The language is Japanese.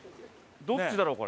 どっちだろう？